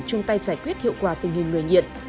trung tay giải quyết hiệu quả tình hình người nhiện